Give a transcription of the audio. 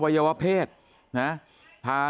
แล้วทีนี้พอคุยมา